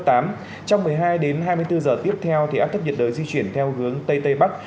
trong một mươi hai đến hai mươi bốn giờ tiếp theo thì áp thấp nhiệt đới di chuyển theo hướng tây tây bắc